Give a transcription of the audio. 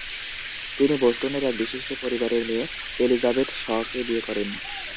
তিনি বোস্টনের এক বিশিষ্ট পরিবারের মেয়ে এলিজাবেথ শ-কে বিয়ে করেন।